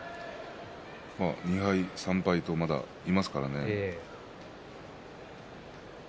２敗、３敗とまだいますからね。